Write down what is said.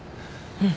うん。